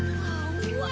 うわ！